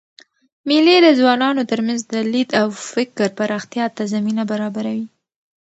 مېلې د ځوانانو ترمنځ د لید او فکر پراختیا ته زمینه برابروي.